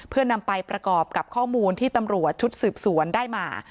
เพื่อนำไปประกอบกับข้อมูลที่ตำรวจชุดสืบสวนได้มา